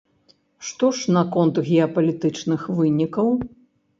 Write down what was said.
Што ж наконт геапалітычных вынікаў?